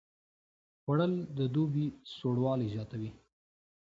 خوړل د دوبي سوړوالی زیاتوي